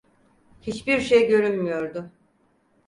Hiçbir şey görünmüyordu.